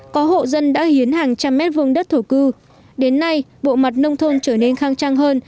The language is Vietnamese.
có hộ dân đã hiến hàng trăm mét vương đất thổ cư đến nay bộ mặt nông thôn trở nên khang trang hơn